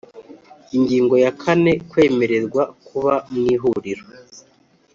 Ingingo ya kane Kwemererwa kuba mu Ihuriro